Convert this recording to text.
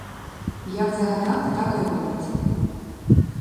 Як загадав, так і робить.